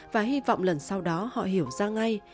và hy vọng lần sau đó họ hiểu ra ngay